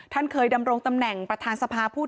เคยดำรงตำแหน่งประธานสภาผู้